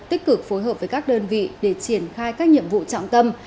tích cực phối hợp với các đơn vị để triển khai các nhiệm vụ trọng tâm